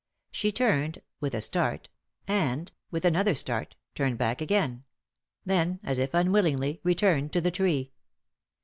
She turned, with a start, and, with another start, turned back again ; then, as if unwillingly, returned to the tree.